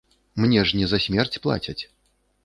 Мне ж не за смерць плацяць.